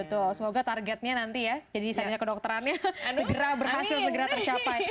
betul semoga targetnya nanti ya jadi istana kedokterannya segera berhasil segera tercapai